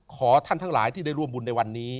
ขอท่านทั้งหลายที่ได้ร่วมบุญในวันนี้